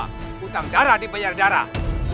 hutang darah dibayar darah